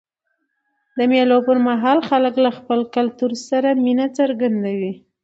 د مېلو پر مهال خلک له خپل کلتور سره مینه څرګندوي.